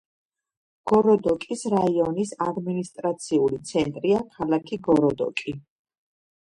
გოროდოკის რაიონის ადმინისტრაციული ცენტრია ქალაქი გოროდოკი.